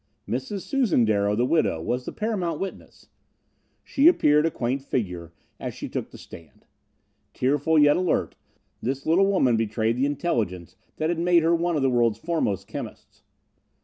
Mrs. Susan Darrow, the widow, was the paramount witness. She appeared a quaint figure as she took the stand. Tearful, yet alert, this little woman betrayed the intelligence that had made her one of the world's foremost chemists.